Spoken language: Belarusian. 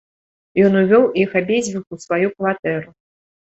Ён увёў іх абедзвюх у сваю кватэру.